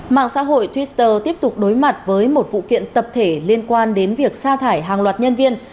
mạng xã hội twitter tiếp tục đối mặt với một vụ kiện tập thể liên quan đến việc xa thải hàng loạt nhân viên